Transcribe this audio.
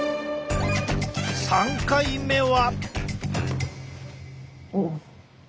３回目は？